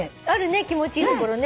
あるね気持ちいい所。